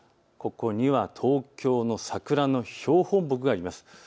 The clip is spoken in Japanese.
ここには東京の桜の標本木があります。